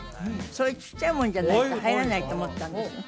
そういうちっちゃいものじゃないと入らないと思ったんですよ